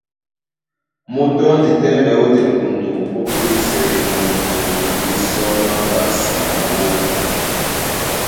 Mú tɔ́ndi tɛ́mɛ ó dikundu, ó púlisɛ ɓekɔ́ŋkɔ́ŋ na mísɔ má mbasi na wóndi.